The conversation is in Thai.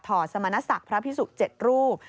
ถอดสมณศักดิ์พระพิสุทธิ์๗รูป